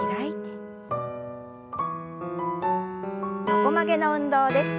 横曲げの運動です。